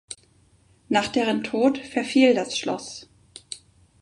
Nach deren Tod verfiel das Schloss.